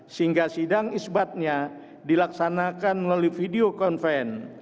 sehingga sidang isbatnya dilaksanakan melalui video conven